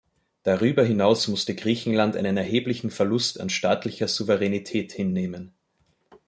Darüber hinaus musste Griechenland einen erheblichen Verlust an staatlicher Souveränität hinnehmen.